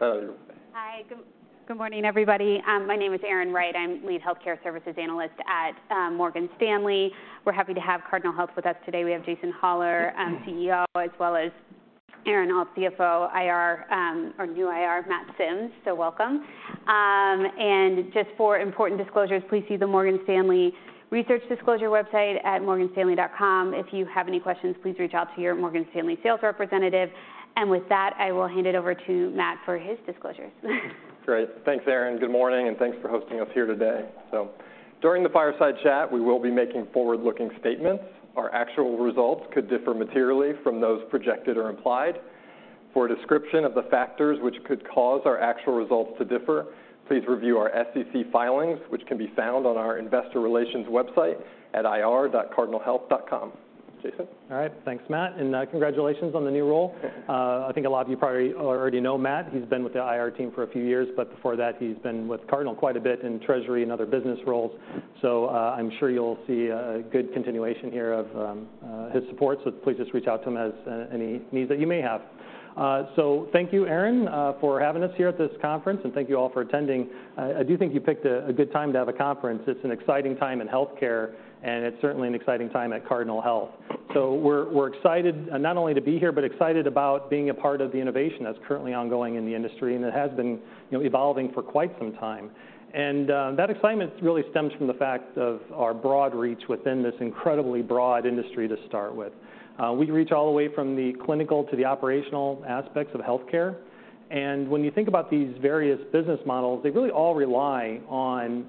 Hi, good, good morning, everybody. My name is Erin Wright. I'm Lead Healthcare Services Analyst at, Morgan Stanley. We're happy to have Cardinal Health with us today. We have Jason Hollar, CEO, as well as Aaron Alt, CFO, IR, our new IR, Matt Sims. So welcome. And just for important disclosures, please see the Morgan Stanley Research Disclosure website at morganstanley.com. If you have any questions, please reach out to your Morgan Stanley sales representative. And with that, I will hand it over to Matt for his disclosures. Great. Thanks, Erin. Good morning, and thanks for hosting us here today. So during the fireside chat, we will be making forward-looking statements. Our actual results could differ materially from those projected or implied. For a description of the factors which could cause our actual results to differ, please review our SEC filings, which can be found on our investor relations website at ir.cardinalhealth.com. Jason? All right. Thanks, Matt, and congratulations on the new role. Thank you. I think a lot of you probably already know Matt. He's been with the IR team for a few years, but before that, he's been with Cardinal quite a bit in treasury and other business roles. So, I'm sure you'll see a good continuation here of his support, so please just reach out to him as any needs that you may have. So thank you, Erin, for having us here at this conference, and thank you all for attending. I do think you picked a good time to have a conference. It's an exciting time in healthcare, and it's certainly an exciting time at Cardinal Health. So we're excited, not only to be here, but excited about being a part of the innovation that's currently ongoing in the industry, and it has been, you know, evolving for quite some time. And, that excitement really stems from the fact of our broad reach within this incredibly broad industry to start with. We reach all the way from the clinical to the operational aspects of healthcare, and when you think about these various business models, they really all rely on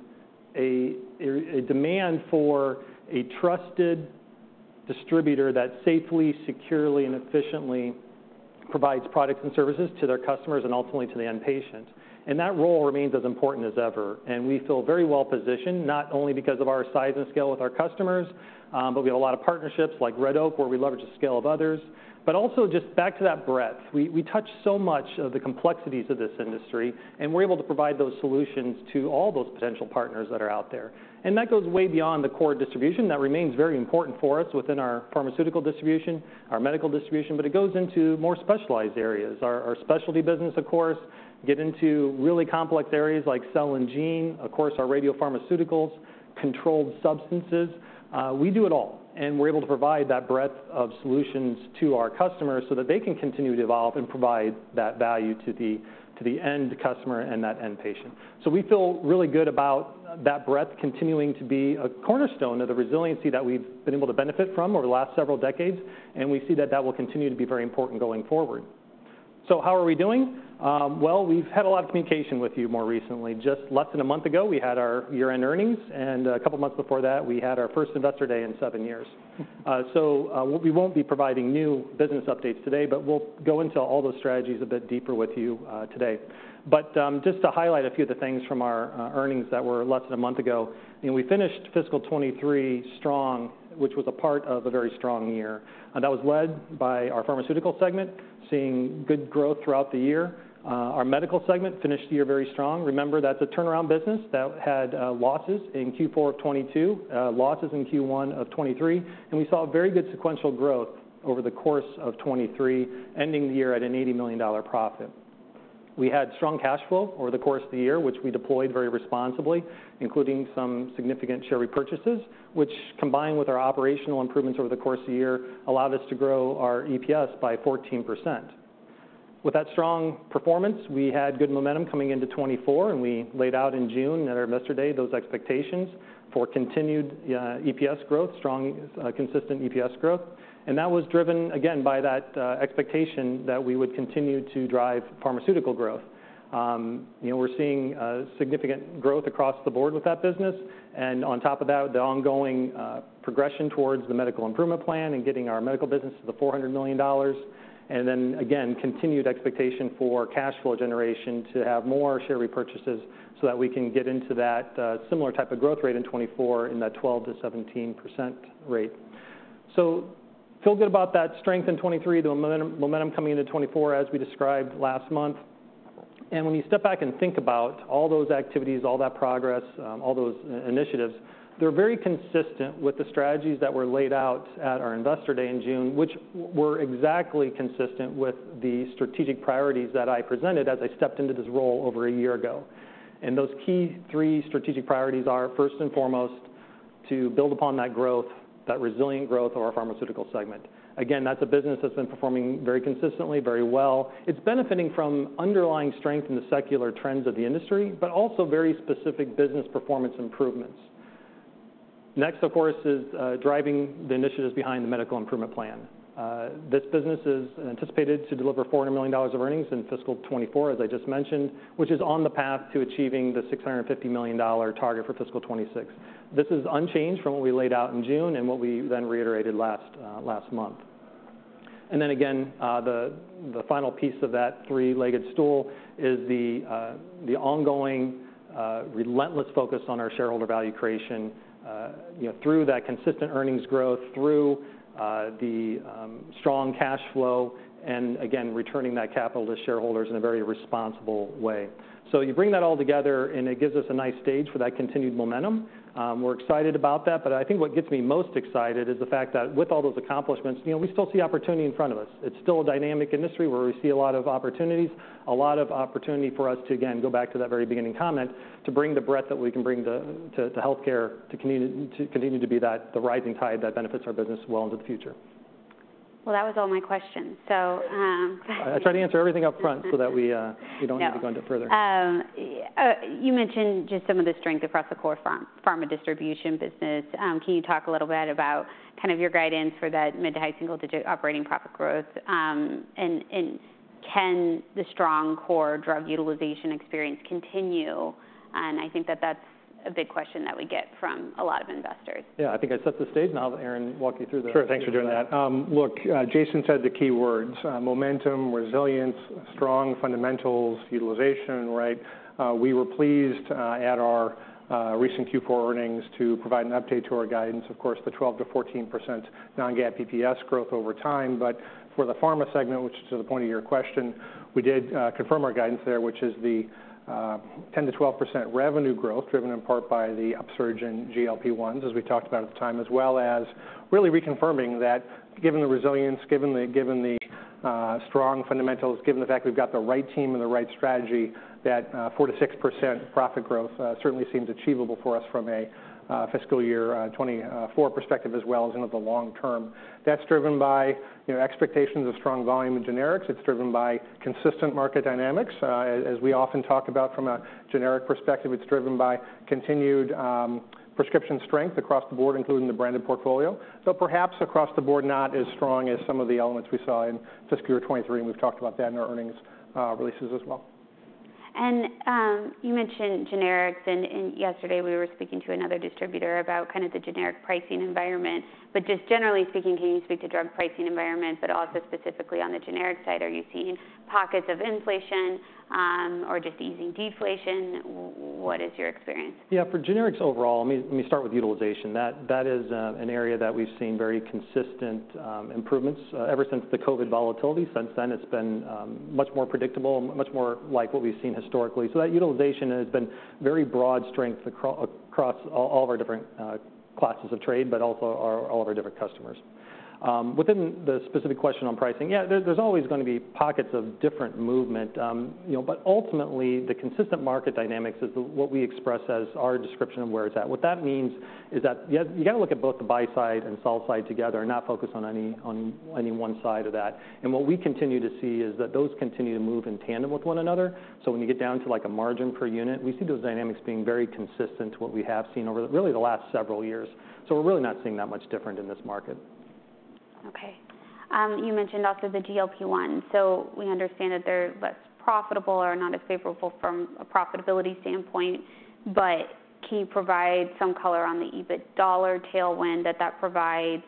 a demand for a trusted distributor that safely, securely, and efficiently provides products and services to their customers and ultimately to the end patient, and that role remains as important as ever. We feel very well positioned, not only because of our size and scale with our customers, but we have a lot of partnerships like Red Oak, where we leverage the scale of others. But also just back to that breadth. We touch so much of the complexities of this industry, and we're able to provide those solutions to all those potential partners that are out there, and that goes way beyond the core distribution. That remains very important for us within our pharmaceutical distribution, our medical distribution, but it goes into more specialized areas. Our specialty business, of course, get into really complex areas like cell and gene, of course, our radiopharmaceuticals, controlled substances. We do it all, and we're able to provide that breadth of solutions to our customers so that they can continue to evolve and provide that value to the end customer and that end patient. So we feel really good about that breadth continuing to be a cornerstone of the resiliency that we've been able to benefit from over the last several decades, and we see that that will continue to be very important going forward. So how are we doing? Well, we've had a lot of communication with you more recently. Just less than a month ago, we had our year-end earnings, and a couple of months before that, we had our first Investor Day in seven years. So, we won't be providing new business updates today, but we'll go into all those strategies a bit deeper with you today. But, just to highlight a few of the things from our, earnings that were less than a month ago, you know, we finished fiscal 2023 strong, which was a part of a very strong year, and that was led by our pharmaceutical segment, seeing good growth throughout the year. Our medical segment finished the year very strong. Remember, that's a turnaround business that had, losses in Q4 of 2022, losses in Q1 of 2023, and we saw very good sequential growth over the course of 2023, ending the year at an $80 million profit. We had strong cash flow over the course of the year, which we deployed very responsibly, including some significant share repurchases, which, combined with our operational improvements over the course of the year, allowed us to grow our EPS by 14%. With that strong performance, we had good momentum coming into 2024, and we laid out in June at our Investor Day, those expectations for continued EPS growth, strong consistent EPS growth, and that was driven again by that expectation that we would continue to drive pharmaceutical growth. You know, we're seeing significant growth across the board with that business, and on top of that, the ongoing progression towards the Medical Improvement Plan and getting our medical business to the $400 million, and then again, continued expectation for cash flow generation to have more share repurchases so that we can get into that similar type of growth rate in 2024, in that 12%-17% rate. So feel good about that strength in 2023, the momentum coming into 2024, as we described last month. When you step back and think about all those activities, all that progress, all those initiatives, they're very consistent with the strategies that were laid out at our Investor Day in June, which were exactly consistent with the strategic priorities that I presented as I stepped into this role over a year ago. Those key three strategic priorities are, first and foremost, to build upon that growth, that resilient growth of our pharmaceutical segment. Again, that's a business that's been performing very consistently, very well. It's benefiting from underlying strength in the secular trends of the industry, but also very specific business performance improvements. Next, of course, is driving the initiatives behind the Medical Improvement Plan This business is anticipated to deliver $400 million of earnings in fiscal 2024, as I just mentioned, which is on the path to achieving the $650 million target for fiscal 2026. This is unchanged from what we laid out in June and what we then reiterated last month. And then again, the final piece of that three-legged stool is the ongoing relentless focus on our shareholder value creation—you know, through that consistent earnings growth, through the strong cash flow, and again, returning that capital to shareholders in a very responsible way. So you bring that all together, and it gives us a nice stage for that continued momentum. We're excited about that, but I think what gets me most excited is the fact that with all those accomplishments, you know, we still see opportunity in front of us. It's still a dynamic industry where we see a lot of opportunities, a lot of opportunity for us to, again, go back to that very beginning comment, to bring the breadth that we can bring to healthcare, to continue to be that, the rising tide that benefits our business well into the future. Well, that was all my questions. So, I tried to answer everything up front so that we don't- No... have to go into it further. You mentioned just some of the strength across the core pharma distribution business. Can you talk a little bit about kind of your guidance for that mid to high single digit operating profit growth? And can the strong core drug utilization experience continue? And I think tha \t that's a big question that we get from a lot of investors. Yeah, I think I set the stage, and I'll have Aaron walk you through. Sure, thanks for doing that. Look, Jason said the key words: momentum, resilience, strong fundamentals, utilization, right? We were pleased at our recent Q4 earnings to provide an update to our guidance. Of course, the 12%-14% non-GAAP EPS growth over time. But for the pharma segment, which is to the point of your question, we did confirm our guidance there, which is the 10%-12% revenue growth, driven in part by the upsurge in GLP-1s, as we talked about at the time, as well as really reconfirming that given the resilience, given the strong fundamentals, given the fact we've got the right team and the right strategy, that 4%-6% profit growth certainly seems achievable for us from a fiscal year 2024 perspective, as well as into the long term. That's driven by, you know, expectations of strong volume in generics. It's driven by consistent market dynamics. As we often talk about from a generic perspective, it's driven by continued prescription strength across the board, including the branded portfolio, but perhaps across the board, not as strong as some of the elements we saw in fiscal year 2023, and we've talked about that in our earnings releases as well. You mentioned generics, and yesterday we were speaking to another distributor about kind of the generic pricing environment. But just generally speaking, can you speak to drug pricing environment, but also specifically on the generic side, are you seeing pockets of inflation, or just easing deflation? What is your experience? Yeah, for generics overall, let me start with utilization. That is an area that we've seen very consistent improvements ever since the COVID volatility. Since then, it's been much more predictable and much more like what we've seen historically. So that utilization has been very broad strength across all of our different classes of trade, but also all of our different customers. Within the specific question on pricing, yeah, there's always gonna be pockets of different movement. You know, but ultimately, the consistent market dynamics is the what we express as our description of where it's at. What that means is that yeah, you gotta look at both the buy side and sell side together and not focus on any one side of that. What we continue to see is that those continue to move in tandem with one another. When you get down to, like, a margin per unit, we see those dynamics being very consistent to what we have seen over the really last several years. We're really not seeing that much different in this market. Okay. You mentioned also the GLP-1. So we understand that they're less profitable or not as favorable from a profitability standpoint, but can you provide some color on the EBIT dollar tailwind that that provides,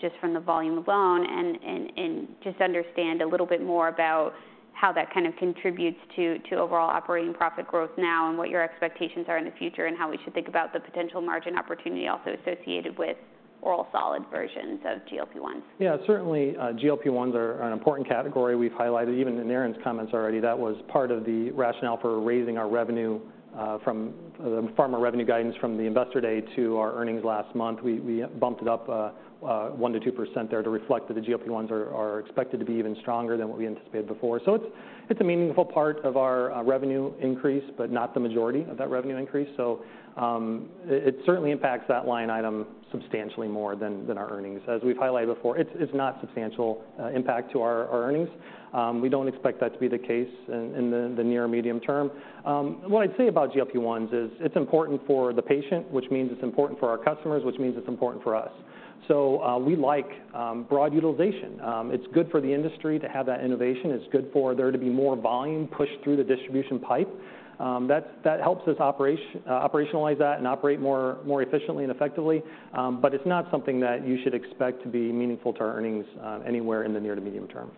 just from the volume alone, and just understand a little bit more about how that kind of contributes to overall operating profit growth now, and what your expectations are in the future, and how we should think about the potential margin opportunity also associated with oral solid versions of GLP-1? Yeah, certainly, GLP-1s are an important category. We've highlighted, even in Aaron's comments already, that was part of the rationale for raising our revenue from the pharma revenue guidance from the Investor Day to our earnings last month. We bumped it up 1%-2% there to reflect that the GLP-1s are expected to be even stronger than what we anticipated before. So it's a meaningful part of our revenue increase, but not the majority of that revenue increase. So, it certainly impacts that line item substantially more than our earnings. As we've highlighted before, it's not substantial impact to our earnings. We don't expect that to be the case in the near medium term. What I'd say about GLP-1s is it's important for the patient, which means it's important for our customers, which means it's important for us. So, we like broad utilization. It's good for the industry to have that innovation. It's good for there to be more volume pushed through the distribution pipe. That helps us operationalize that and operate more efficiently and effectively, but it's not something that you should expect to be meaningful to our earnings anywhere in the near to medium term.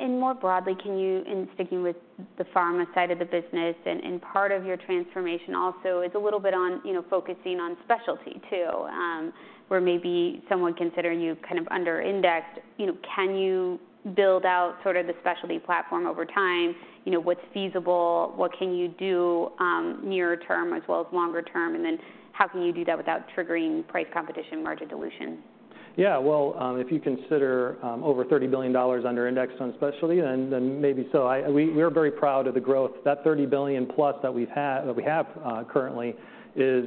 More broadly, can you, in sticking with the pharma side of the business and part of your transformation also is a little bit on, you know, focusing on specialty too, where maybe someone considering you kind of under-indexed. You know, can you build out sort of the specialty platform over time? You know, what's feasible? What can you do, near term as well as longer term? And then how can you do that without triggering price competition, margin dilution? Yeah, well, if you consider over $30 billion under indexed on specialty, then maybe so. We're very proud of the growth. That $30+ billion that we've had, that we have currently, is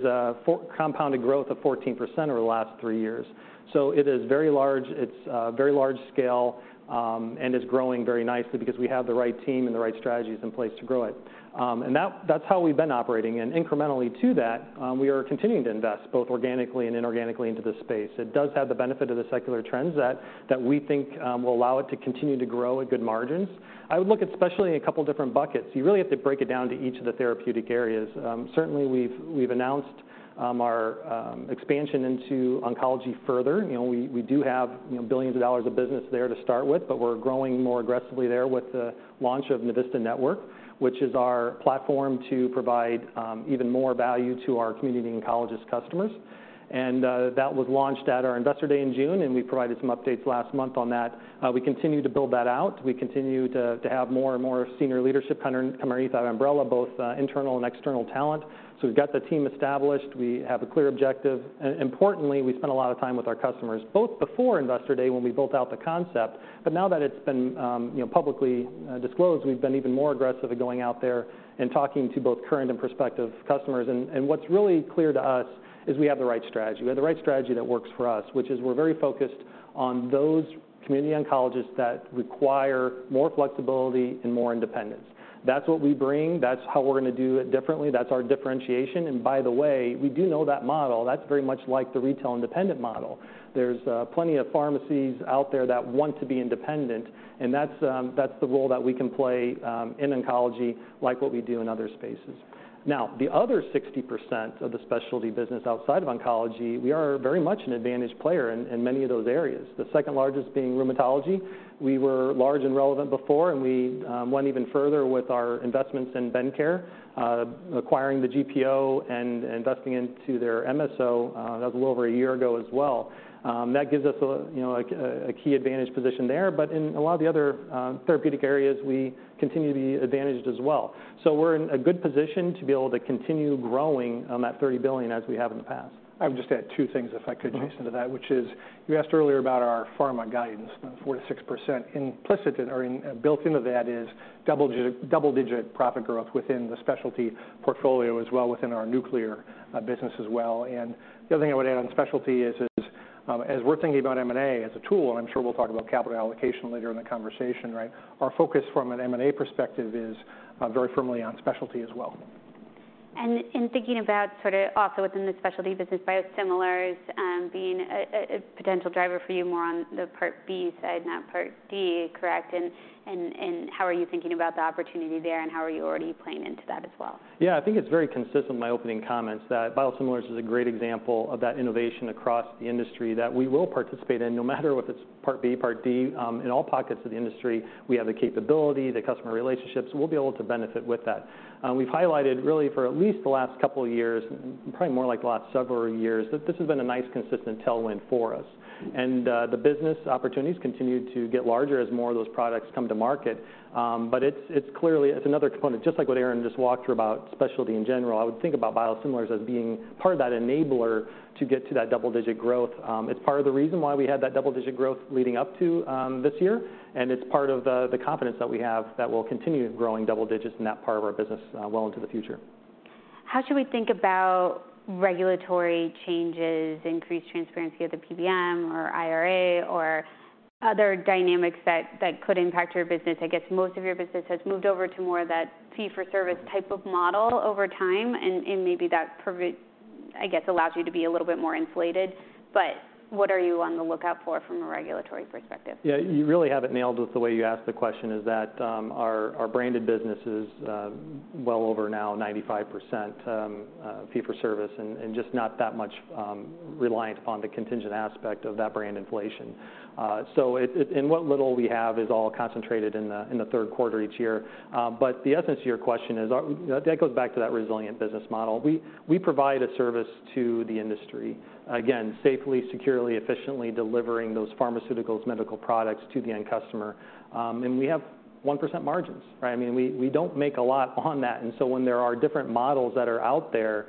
compounded growth of 14% over the last three years. So it is very large. It's very large scale, and is growing very nicely because we have the right team and the right strategies in place to grow it. And that, that's how we've been operating. And incrementally to that, we are continuing to invest, both organically and inorganically, into this space. It does have the benefit of the secular trends that we think will allow it to continue to grow at good margins. I would look especially in a couple different buckets. You really have to break it down to each of the therapeutic areas. Certainly, we've announced our expansion into oncology further. You know, we do have you know, billions of dollars of business there to start with, but we're growing more aggressively there with the launch of Navista Network, which is our platform to provide even more value to our community oncologist customers. That was launched at our Investor Day in June, and we provided some updates last month on that. We continue to build that out. We continue to have more and more senior leadership come underneath that umbrella, both internal and external talent. So we've got the team established, we have a clear objective, and importantly, we spend a lot of time with our customers, both before Investor Day, when we built out the concept, but now that it's been, you know, publicly, disclosed, we've been even more aggressive in going out there and talking to both current and prospective customers. And what's really clear to us is we have the right strategy. We have the right strategy that works for us, which is we're very focused on those community oncologists that require more flexibility and more independence. That's what we bring. That's how we're gonna do it differently. That's our differentiation, and by the way, we do know that model. That's very much like the retail independent model. There's plenty of pharmacies out there that want to be independent, and that's the role that we can play in oncology, like what we do in other spaces. Now, the other 60% of the specialty business outside of oncology, we are very much an advantaged player in many of those areas, the second largest being rheumatology. We were large and relevant before, and we went even further with our investments in Bendcare, acquiring the GPO and investing into their MSO, that was a little over a year ago as well. That gives us a, you know, a key advantage position there, but in a lot of the other therapeutic areas, we continue to be advantaged as well. We're in a good position to be able to continue growing on that $30 billion, as we have in the past. I would just add two things, if I could, Jason, to that, which is, you asked earlier about our pharma guidance, 4%-6%. Implicit in, or built into that is double-digit profit growth within the specialty portfolio, as well within our nuclear business as well. And the other thing I would add on specialty is, as we're thinking about M&A as a tool, I'm sure we'll talk about capital allocation later in the conversation, right? Our focus from an M&A perspective is very firmly on specialty as well. In thinking about sort of also within the specialty business, biosimilars being a potential driver for you more on the Part B side, not Part D, correct? And how are you thinking about the opportunity there, and how are you already playing into that as well? Yeah, I think it's very consistent, my opening comments, that biosimilars is a great example of that innovation across the industry that we will participate in, no matter whether it's Part B, Part D. In all pockets of the industry, we have the capability, the customer relationships, we'll be able to benefit with that. We've highlighted really for at least the last couple of years, probably more like the last several years, that this has been a nice, consistent tailwind for us. And the business opportunities continue to get larger as more of those products come to market. But it's clearly another component, just like what Aaron just walked through about specialty in general. I would think about biosimilars as being part of that enabler to get to that double-digit growth. It's part of the reason why we had that double-digit growth leading up to this year, and it's part of the confidence that we have that we'll continue growing double digits in that part of our business, well into the future. How should we think about regulatory changes, increased transparency of the PBM or IRA or other dynamics that could impact your business? I guess most of your business has moved over to more of that Fee-for-Service type of model over time, and maybe that allows you to be a little bit more insulated, but what are you on the lookout for from a regulatory perspective? Yeah, you really have it nailed with the way you asked the question, is that our branded business is well over now 95% fee for service, and just not that much reliant upon the contingent aspect of that brand inflation. So it, and what little we have is all concentrated in the third quarter each year. But the essence of your question is, are that goes back to that resilient business model. We provide a service to the industry, again, safely, securely, efficiently delivering those pharmaceuticals, medical products to the end customer. And we have 1% margins, right? I mean, we don't make a lot on that, and so when there are different models that are out there,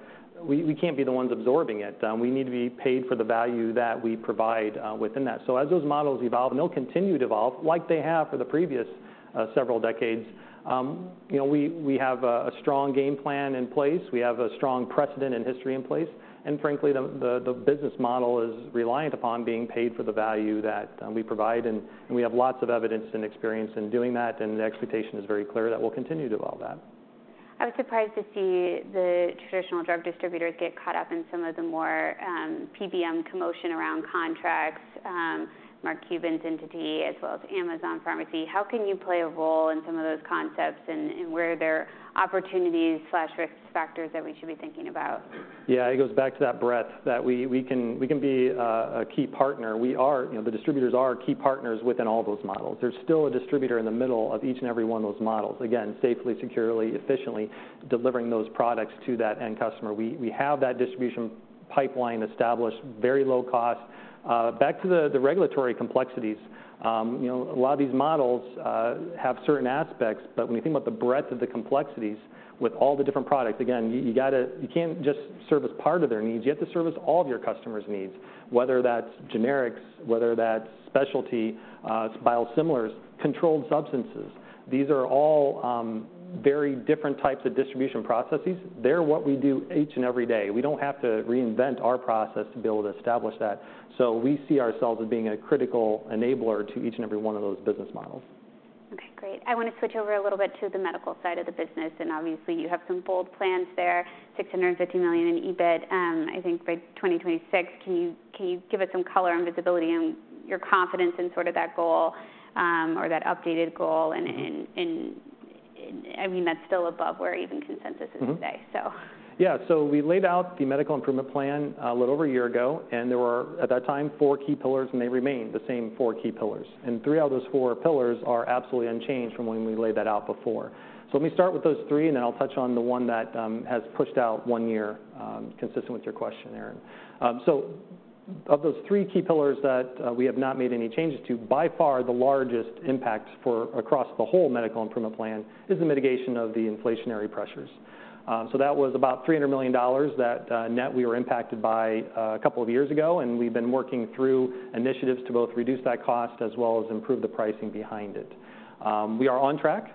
we can't be the ones absorbing it. We need to be paid for the value that we provide within that. So as those models evolve, and they'll continue to evolve, like they have for the previous several decades, you know, we have a strong game plan in place. We have a strong precedent and history in place, and frankly, the business model is reliant upon being paid for the value that we provide, and we have lots of evidence and experience in doing that, and the expectation is very clear that we'll continue to develop that. I was surprised to see the traditional drug distributors get caught up in some of the more PBM commotion around contracts, Mark Cuban's entity, as well as Amazon Pharmacy. How can you play a role in some of those concepts, and, and where are there opportunities/risk factors that we should be thinking about? Yeah, it goes back to that breadth, that we can be a key partner. We are, you know, the distributors are key partners within all those models. There's still a distributor in the middle of each and every one of those models. Again, safely, securely, efficiently delivering those products to that end customer. We have that distribution pipeline established, very low cost. Back to the regulatory complexities, you know, a lot of these models have certain aspects, but when we think about the breadth of the complexities with all the different products, again, you gotta, you can't just service part of their needs. You have to service all of your customers' needs, whether that's generics, whether that's specialty, it's biosimilars, controlled substances. These are all very different types of distribution processes. They're what we do each and every day. We don't have to reinvent our process to be able to establish that. So we see ourselves as being a critical enabler to each and every one of those business models. Okay, great. I want to switch over a little bit to the medical side of the business, and obviously, you have some bold plans there, $650 million in EBIT, I think by 2026. Can you give us some color and visibility on your confidence in sort of that goal, or that updated goal. I mean, that's still above where even consensus is today, so. Yeah, so we laid out the medical improvement plan a little over a year ago, and there were, at that time, four key pillars, and they remain the same four key pillars. And three out of those four pillars are absolutely unchanged from when we laid that out before. So let me start with those three, and then I'll touch on the one that has pushed out one year, consistent with your question, Erin. So of those three key pillars that we have not made any changes to, by far, the largest impact for across the whole medical improvement plan is the mitigation of the inflationary pressures. So that was about $300 million that net we were impacted by a couple of years ago, and we've been working through initiatives to both reduce that cost as well as improve the pricing behind it. We are on track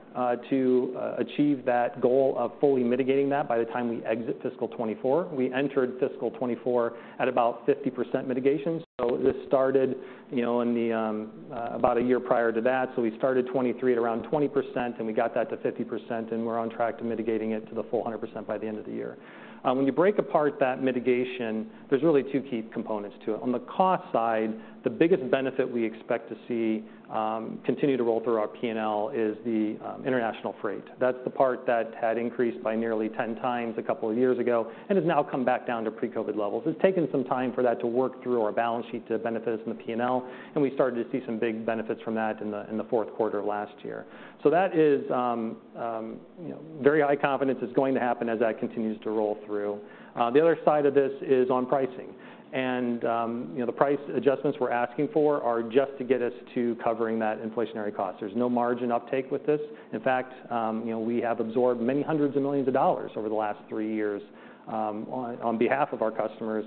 to achieve that goal of fully mitigating that by the time we exit fiscal 2024. We entered fiscal 2024 at about 50% mitigation, so this started, you know, in about a year prior to that. So we started 2023 at around 20%, and we got that to 50%, and we're on track to mitigating it to the full 100% by the end of the year. When you break apart that mitigation, there's really two key components to it. On the cost side, the biggest benefit we expect to see continue to roll through our P&L is the international freight. That's the part that had increased by nearly 10x a couple of years ago and has now come back down to pre-COVID levels. It's taken some time for that to work through our balance sheet to benefit us in the P&L, and we started to see some big benefits from that in the fourth quarter of last year. So that is, you know, very high confidence it's going to happen as that continues to roll through. The other side of this is on pricing, and, you know, the price adjustments we're asking for are just to get us to covering that inflationary cost. There's no margin uptake with this. In fact, you know, we have absorbed many hundreds of millions of dollars over the last three years, on, on behalf of our customers,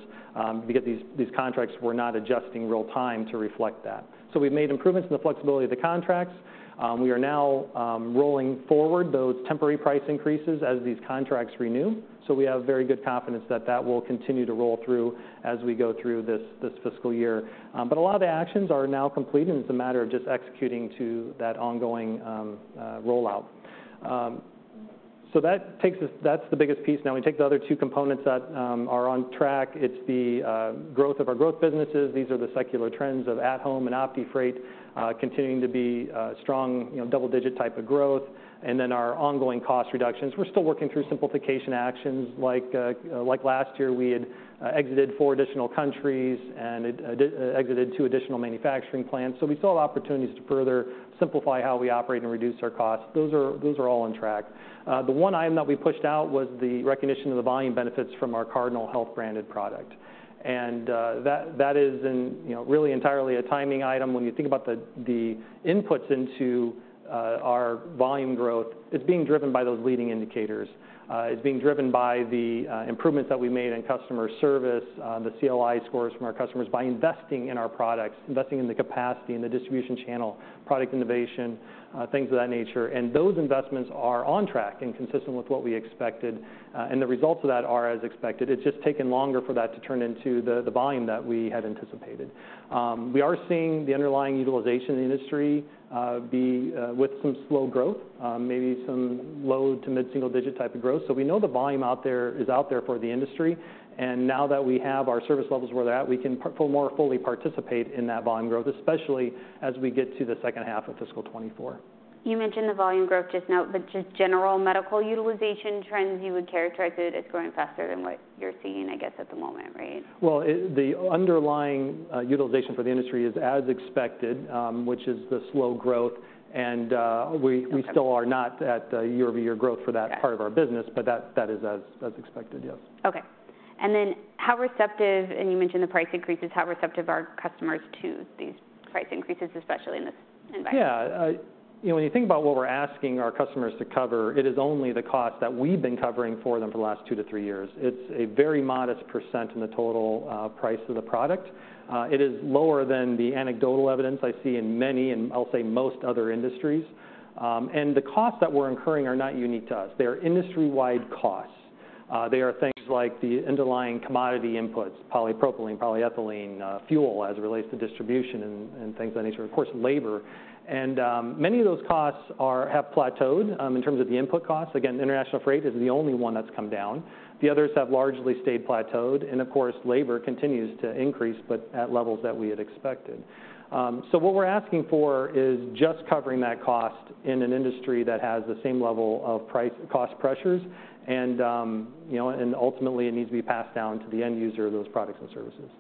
because these, these contracts were not adjusting real time to reflect that. So we've made improvements in the flexibility of the contracts. We are now, rolling forward those temporary price increases as these contracts renew, so we have very good confidence that that will continue to roll through as we go through this, this fiscal year. But a lot of the actions are now complete, and it's a matter of just executing to that ongoing, rollout. So that takes us... That's the biggest piece. Now, we take the other two components that, are on track. It's the, growth of our growth businesses. These are the secular trends of at-home and OptiFreight, continuing to be strong, you know, double-digit type of growth. And then our ongoing cost reductions. We're still working through simplification actions like, like last year, we had exited four additional countries and it exited two additional manufacturing plants. So we saw opportunities to further simplify how we operate and reduce our costs. Those are, those are all on track. The one item that we pushed out was the recognition of the volume benefits from our Cardinal Health branded product. And that, that is in, you know, really entirely a timing item. When you think about the inputs into our volume growth, it's being driven by those leading indicators. It's being driven by the improvements that we made in customer service, the CLI scores from our customers by investing in our products, investing in the capacity and the distribution channel, product innovation, things of that nature. Those investments are on track and consistent with what we expected, and the results of that are as expected. It's just taken longer for that to turn into the volume that we had anticipated. We are seeing the underlying utilization in the industry with some slow growth, maybe some low to mid-single digit type of growth. So we know the volume out there is out there for the industry, and now that we have our service levels where they're at, we can more fully participate in that volume growth, especially as we get to the second half of fiscal 2024. You mentioned the volume growth just now, but just general medical utilization trends, you would characterize it, it's growing faster than what you're seeing, I guess, at the moment, right? Well, the underlying utilization for the industry is as expected, which is the slow growth, and we- Okay... we still are not at the year-over-year growth for that- Got it part of our business, but that is as expected, yes. Okay. And then how receptive, and you mentioned the price increases, how receptive are customers to these price increases, especially in this environment? Yeah. You know, when you think about what we're asking our customers to cover, it is only the cost that we've been covering for them for the last two years-three years. It's a very modest % in the total price of the product. It is lower than the anecdotal evidence I see in many, and I'll say most other industries. And the costs that we're incurring are not unique to us. They are industry-wide costs. They are things like the underlying commodity inputs, polypropylene, polyethylene, fuel as it relates to distribution and things of that nature, of course, labor. And many of those costs have plateaued in terms of the input costs. Again, international freight is the only one that's come down. The others have largely stayed plateaued, and of course, labor continues to increase, but at levels that we had expected. So what we're asking for is just covering that cost in an industry that has the same level of price-cost pressures, and, you know, and ultimately, it needs to be passed down to the end user of those products and services.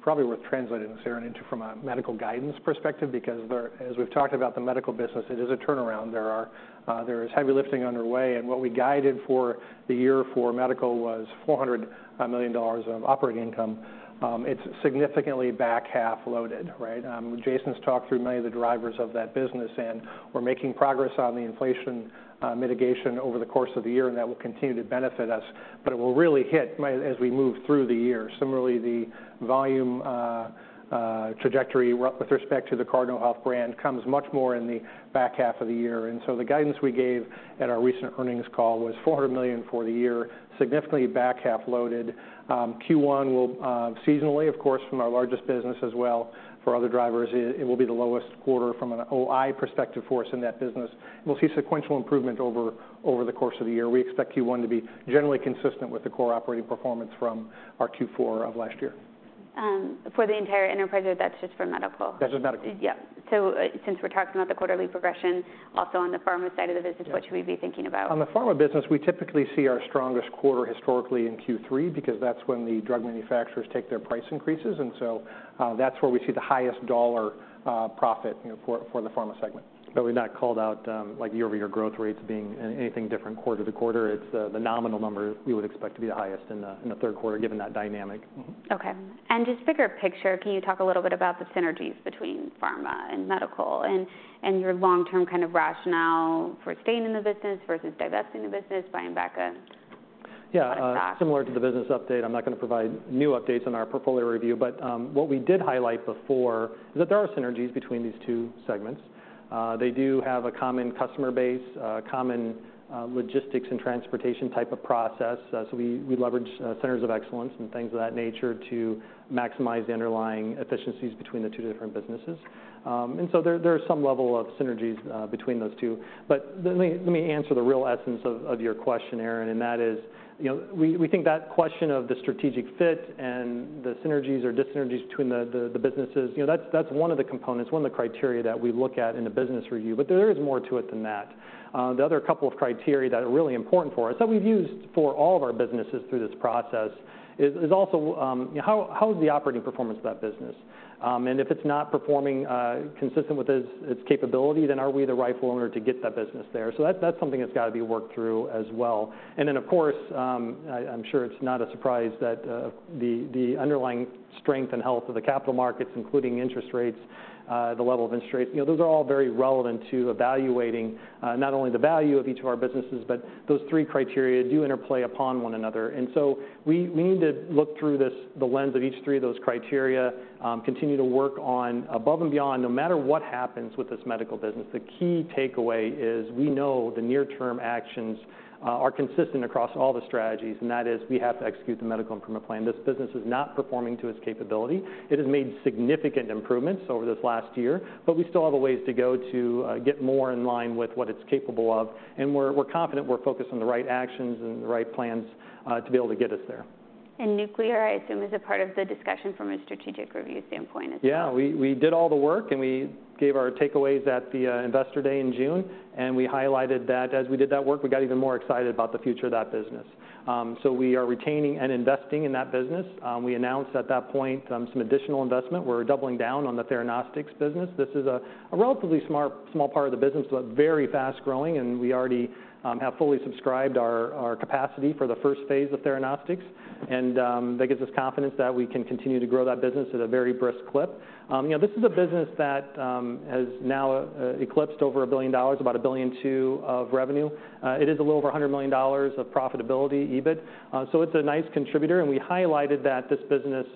It's probably worth translating this, Erin, into from a medical guidance perspective, because as we've talked about the medical business, it is a turnaround. There is heavy lifting underway, and what we guided for the year for medical was $400 million of Operating Income. It's significantly back half loaded, right? Jason's talked through many of the drivers of that business, and we're making progress on the inflation mitigation over the course of the year, and that will continue to benefit us, but it will really hit as we move through the year. Similarly, the volume trajectory with respect to the Cardinal Health brand comes much more in the back half of the year. And so the guidance we gave at our recent earnings call was $400 million for the year, significantly back half loaded. Q1 will, seasonally, of course, from our largest business as well. For other drivers, it will be the lowest quarter from an OI perspective for us in that business. We'll see sequential improvement over the course of the year. We expect Q1 to be generally consistent with the core operating performance from our Q4 of last year. ... for the entire enterprise, or that's just for medical? That's just medical. Yeah. So, since we're talking about the quarterly progression, also on the pharma side of the business- Yeah. What should we be thinking about? On the pharma business, we typically see our strongest quarter historically in Q3, because that's when the drug manufacturers take their price increases, and so that's where we see the highest dollar profit, you know, for the pharma segment. But we've not called out, like, year-over-year growth rates being anything different quarter to quarter. It's the nominal number we would expect to be the highest in the third quarter, given that dynamic. Mm-hmm. Okay. And just bigger picture, can you talk a little bit about the synergies between pharma and medical, and your long-term kind of rationale for staying in the business versus divesting the business, buying back a- Yeah. -stock? Similar to the business update, I'm not gonna provide new updates on our portfolio review, but what we did highlight before is that there are synergies between these two segments. They do have a common customer base, a common logistics and transportation type of process, so we leverage centers of excellence and things of that nature to maximize the underlying efficiencies between the two different businesses. And so there are some level of synergies between those two. But let me, let me answer the real essence of, of your question, Erin, and that is, you know, we, we think that question of the strategic fit and the synergies or dyssynergies between the, the, the businesses, you know, that's, that's one of the components, one of the criteria that we look at in a business review, but there is more to it than that. The other couple of criteria that are really important for us, that we've used for all of our businesses through this process, is, is also, you know, how, how is the operating performance of that business? And if it's not performing, consistent with its, its capability, then are we the right owner to get that business there? So that, that's something that's got to be worked through as well. And then, of course, I'm sure it's not a surprise that the underlying strength and health of the capital markets, including interest rates, the level of interest rates, you know, those are all very relevant to evaluating not only the value of each of our businesses, but those three criteria do interplay upon one another. And so we need to look through the lens of each three of those criteria, continue to work on above and beyond. No matter what happens with this medical business, the key takeaway is, we know the near-term actions are consistent across all the strategies, and that is, we have to execute the medical improvement plan. This business is not performing to its capability. It has made significant improvements over this last year, but we still have a ways to go to get more in line with what it's capable of, and we're confident we're focused on the right actions and the right plans to be able to get us there. Nuclear, I assume, is a part of the discussion from a strategic review standpoint as well? Yeah, we did all the work, and we gave our takeaways at the Investor Day in June, and we highlighted that as we did that work, we got even more excited about the future of that business. So we are retaining and investing in that business. We announced at that point some additional investment. We're doubling down on the theranostics business. This is a relatively small part of the business, but very fast-growing, and we already have fully subscribed our capacity for the first phase of theranostics. And that gives us confidence that we can continue to grow that business at a very brisk clip. You know, this is a business that has now eclipsed over $1 billion, about $1.2 billion of revenue. It is a little over $100 million of profitability, EBIT. So it's a nice contributor, and we highlighted that this business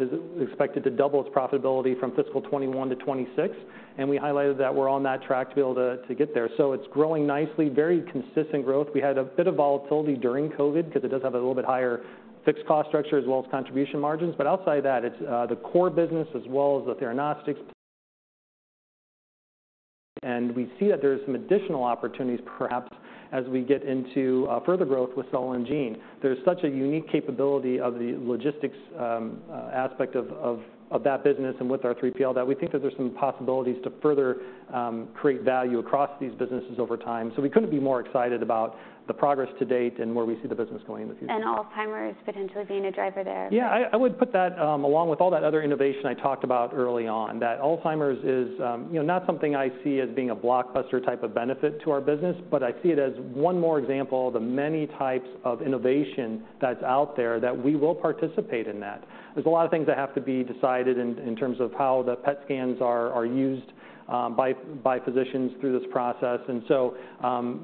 is expected to double its profitability from fiscal 2021 to 2026, and we highlighted that we're on that track to be able to get there. So it's growing nicely, very consistent growth. We had a bit of volatility during COVID, 'cause it does have a little bit higher fixed cost structure as well as contribution margins, but outside of that, it's the core business as well as the theranostics. And we see that there are some additional opportunities, perhaps, as we get into further growth with cell and gene. There's such a unique capability of the logistics aspect of that business and with our P&L, that we think that there's some possibilities to further create value across these businesses over time. So we couldn't be more excited about the progress to date and where we see the business going in the future. Alzheimer's potentially being a driver there? Yeah, I would put that along with all that other innovation I talked about early on, that Alzheimer's is, you know, not something I see as being a blockbuster type of benefit to our business, but I see it as one more example of the many types of innovation that's out there, that we will participate in that. There's a lot of things that have to be decided in terms of how the PET scans are used by physicians through this process, and so,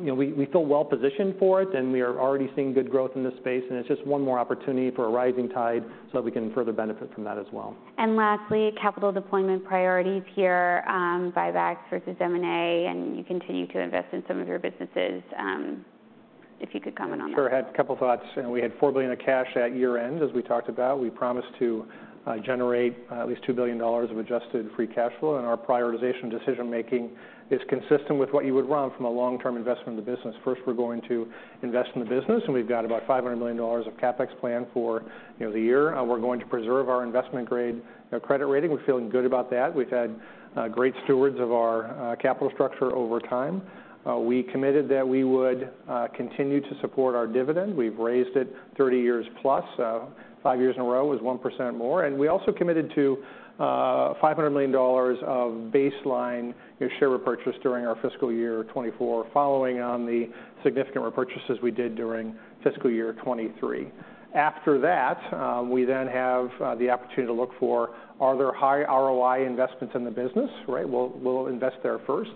you know, we feel well positioned for it, and we are already seeing good growth in this space, and it's just one more opportunity for a rising tide, so we can further benefit from that as well. And lastly, capital deployment priorities here, buybacks versus M&A, and you continue to invest in some of your businesses. If you could comment on that. Sure, I had a couple thoughts. You know, we had $4 billion of cash at year-end, as we talked about. We promised to generate at least $2 billion of Adjusted Free Cash Flow, and our prioritization decision-making is consistent with what you would run from a long-term investment in the business. First, we're going to invest in the business, and we've got about $500 million of CapEx planned for, you know, the year. We're going to preserve our investment-grade credit rating. We're feeling good about that. We've had great stewards of our capital structure over time. We committed that we would continue to support our dividend. We've raised it 30+ years, five years in a row is 1% more. And we also committed to $500 million of baseline, you know, share repurchase during our fiscal year 2024, following on the significant repurchases we did during fiscal year 2023. After that, we then have the opportunity to look for, are there high ROI investments in the business, right? We'll invest there first.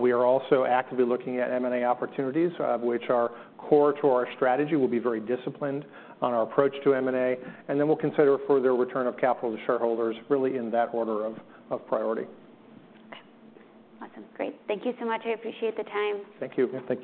We are also actively looking at M&A opportunities, which are core to our strategy. We'll be very disciplined on our approach to M&A, and then we'll consider further return of capital to shareholders, really in that order of priority. Okay. Awesome, great. Thank you so much. I appreciate the time. Thank you. Thank you.